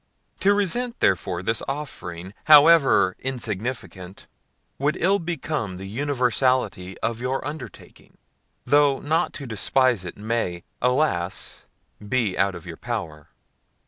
To resent, therefore, this offering, however insignificant, would ill become the universality of your undertaking; though not to despise it may, alas! be out of your power.